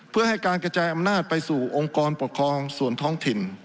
เพื่อให้การกระจายอำนาจไปสู่องค์กรปกครองส่วนท้องถิ่น